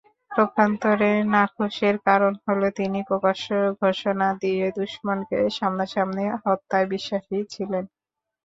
পক্ষান্তরে নাখোশের কারণ হলো, তিনি প্রকাশ্য ঘোষণা দিয়ে দুশমনকে সামনা-সামনি হত্যায় বিশ্বাসী ছিলেন।